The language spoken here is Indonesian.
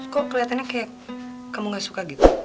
kok kelihatannya kayak kamu gak suka gitu